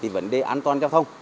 vấn đề an toàn giao thông